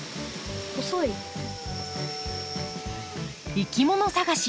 いきもの探し